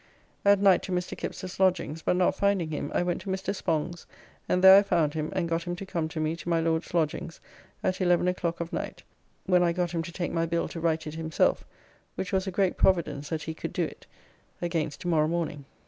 At night to Mr. Kipps's lodgings, but not finding him, I went to Mr. Spong's and there I found him and got him to come to me to my Lord's lodgings at 11 o'clock of night, when I got him to take my bill to write it himself (which was a great providence that he could do it) against to morrow morning.